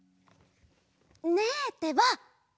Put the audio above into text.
ねえってば！